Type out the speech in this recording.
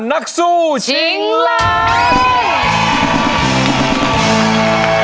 นักสู้ชิงล้าน